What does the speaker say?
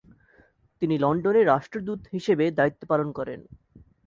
তিনি লন্ডনে রাষ্ট্রদূত হিসেবে দায়িত্ব পালন করেন।